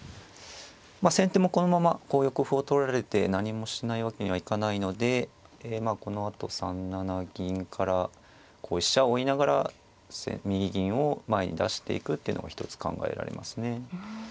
先手もこのままこう横歩を取られて何もしないわけにはいかないのでこのあと３七銀からこう飛車を追いながら右銀を前に出していくっていうのが一つ考えられますね。